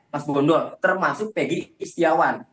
mas bu gondol termasuk pg istiawan